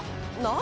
何？